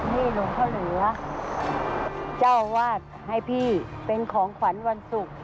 หลวงพ่อเหลือเจ้าวาดให้พี่เป็นของขวัญวันศุกร์